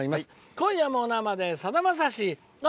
「今夜も生でさだまさしあ！